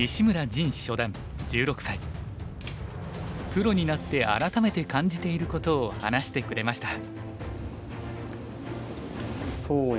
プロになって改めて感じていることを話してくれました。